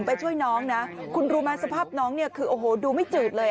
ไปช่วยน้องนะคุณรู้ไหมสภาพน้องเนี่ยคือโอ้โหดูไม่จืดเลย